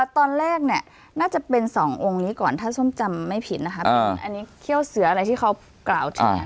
ตอนแรกเนี่ยน่าจะเป็นสององค์นี้ก่อนถ้าส้มจำไม่ผิดนะครับอันนี้เขี้ยวเสืออะไรที่เขากล่าวถึง